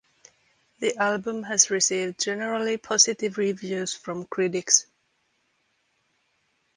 The album has received generally positive reviews from critics.